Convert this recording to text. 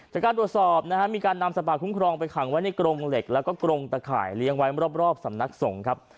จากการตรวจสอบนะฮะมีการนำสัตว์ป่าคุ้มครองไปขังไว้ในกรงเหล็กแล้วก็กรงตะข่ายเลี้ยงไว้รอบสำนักสงฆ์ครับ